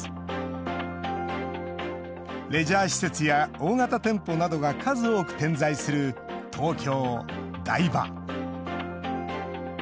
レジャー施設や大型店舗などが数多く点在する東京・台場。